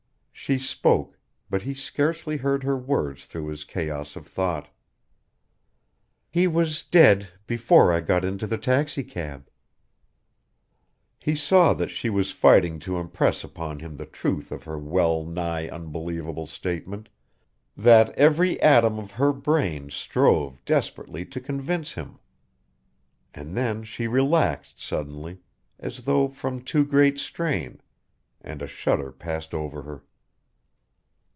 She spoke but he scarcely heard her words through his chaos of thought. "He was dead before I got into the taxi cab." He saw that she was fighting to impress upon him the truth of her well nigh unbelievable statement, that every atom of her brain strove desperately to convince him. And then she relaxed suddenly, as though from too great strain, and a shudder passed over her.